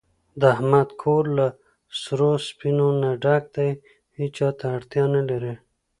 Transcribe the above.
د احمد کور له سرو سپینو نه ډک دی، هېچاته اړتیا نه لري.